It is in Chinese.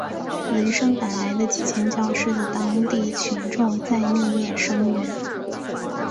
闻声赶来的几千教师的当地群众在面面声援。